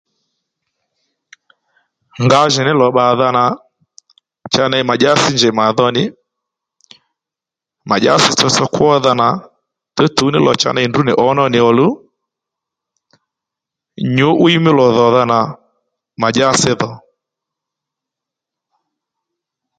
Ngǎjìní lò bbàdha nà cha ney mà dyási njèy màdho nì mà dyási tsotso kwódha nà tǔwtǔw ní lò cha ndrǔ nì ǒ nò nì ò luw nì nyǔ'wiy mí lò dhò dha nà mà dyási dhò